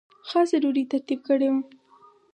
خاصه ډوډۍ ترتیب کړې وه.